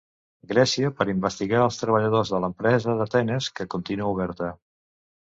Grècia per investigar els treballadors de l'empresa d'Atenes, que continua oberta.